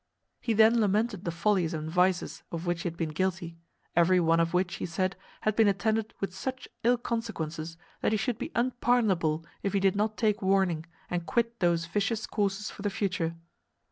He then lamented the follies and vices of which he had been guilty; every one of which, he said, had been attended with such ill consequences, that he should be unpardonable if he did not take warning, and quit those vicious courses for the future.